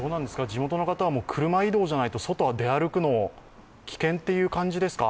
地元の方は、車移動じゃないと、外を出歩くは危険という感じですか。